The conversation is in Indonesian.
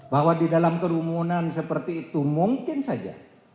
bahwa di dalam kerumunan seperti itu mungkin saja